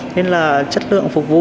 nên là chất lượng phục vụ